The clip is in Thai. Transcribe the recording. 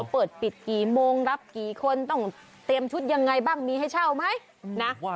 เปิดปิดกี่โมงรับกี่คนต้องเตรียมชุดยังไงบ้างมีให้เช่าไหมนะ